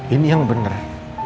ini yang benar